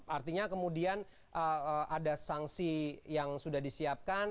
artinya kemudian ada sanksi yang sudah disiapkan